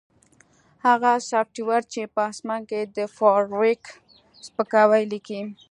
هغه سافټویر چې په اسمان کې د فارویک سپکاوی لیکي